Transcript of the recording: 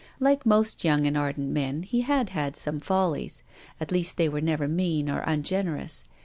Like most young and ardent men he had had some follies. At least they were never mean or ungenerous.